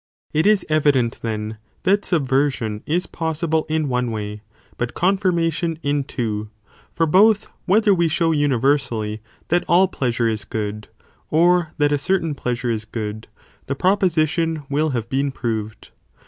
It is evident then, that subversion i8 ¢ consrmation possible in one way, but confirmation in two, for possible in two both whether we show universally that all plea "° sure is good, or that a certain pleasure is good, the proposition will have been proved.